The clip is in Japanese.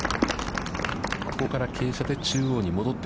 ここから傾斜で中央に戻って。